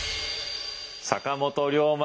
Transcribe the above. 坂本龍馬。